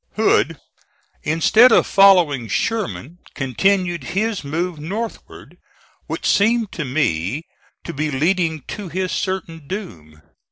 Hood, instead of following Sherman, continued his move northward, which seemed to me to be leading to his certain doom.